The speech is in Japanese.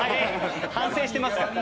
反省しています。